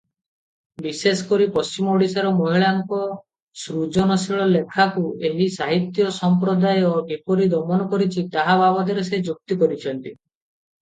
ବିଶେଷ କରି ପଶ୍ଚିମ ଓଡ଼ିଶାର ମହିଳାଙ୍କ ସୃଜନଶୀଳ ଲେଖାକୁ ଏହି ସାହିତ୍ୟ ସମ୍ପ୍ରଦାୟ କିପରି ଦମନ କରିଛି ତା’ ବାବଦରେ ସେ ଯୁକ୍ତି କରିଛନ୍ତି ।